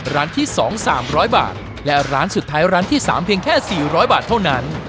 ร้านที่สองสามร้อยบาทและร้านสุดท้ายร้านที่สามเพียงแค่สี่ร้อยบาทเท่านั้น